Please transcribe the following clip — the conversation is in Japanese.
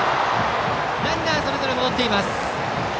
ランナーはそれぞれ戻っています。